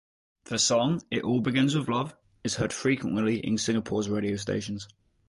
The song "It All Begins With Love" is heard frequently in Singapore's radio stations.